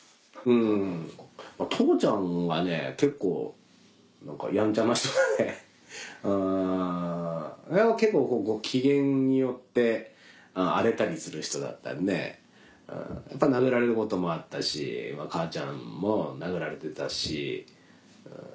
父ちゃんがね結構やんちゃな人で結構機嫌によって荒れたりする人だったんでやっぱ殴られることもあったし母ちゃんも殴られてたし。